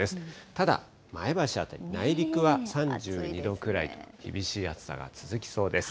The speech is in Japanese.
ただ、前橋辺り、内陸は３２度くらい、厳しい暑さが続きそうです。